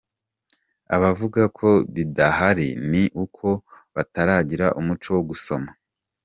Abavuga ko bidahari ni uko bataragira umuco wo gusoma.